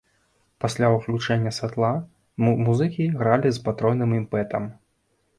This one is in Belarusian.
Пасля ўключэння святла музыкі гралі з патройным імпэтам!